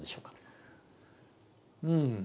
うん。